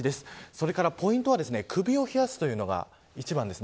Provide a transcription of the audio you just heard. それからポイントは首を冷やすというのが一番です。